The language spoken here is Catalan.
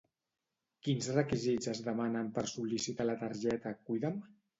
Quins requisits es demanen per sol·licitar la targeta Cuida'm?